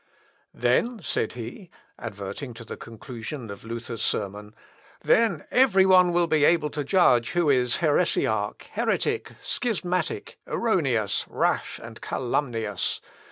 "Then," said he, adverting to the conclusion of Luther's sermon; "then every one will be able to judge who is heresiarch, heretic, schismatic, erroneous, rash, and calumnious.